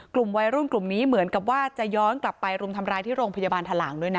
กลุ่มวัยรุ่นกลุ่มนี้เหมือนกับว่าจะย้อนกลับไปรุมทำร้ายที่โรงพยาบาลทะหลังด้วยนะ